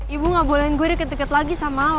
ibu gak bolehin gue deket deket lagi sama lo